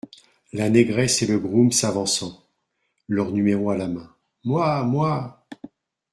La Négresse et Le Groom , s’avançant, leurs numéros à la main. — Moi ! moi !